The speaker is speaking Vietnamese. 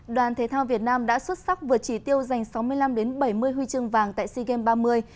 đoàn thế thao việt nam đã xuất sắc vượt trì tiêu dành sáu mươi năm bảy mươi huy chương vàng tại sea games ba mươi